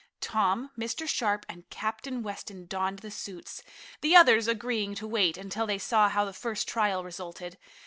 Tom, Mr. Sharp and Captain Weston donned the suits, the others agreeing to wait until they saw how the first trial resulted.